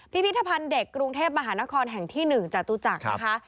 พิพิธภัณฑ์เด็กกรุงเทพมหานครแห่งที่๑จตุจักรนะคะ